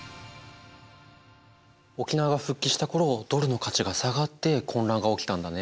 沖縄が復帰した頃ドルの価値が下がって混乱が起きたんだね。